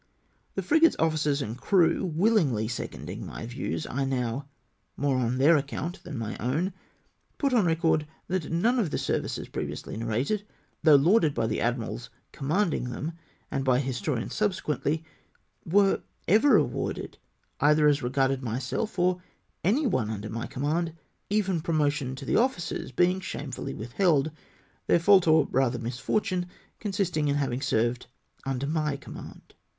The frigate's officers and crew wilUngly seconding my views, I now — more on their account than my own — put on record that none of the ser vices previously narrated, though lauded by the ad mirals commanding them, and by historians subse quently, were ever rewarded, either as regarded my self, or any one under my command, even promotion to the officers being shamefully withheld ; their fault, or rather misfortune, consisting; in haviui^ served under my command.